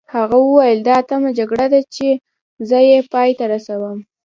هغه وویل دا اتمه جګړه ده چې زه یې پای ته رسوم.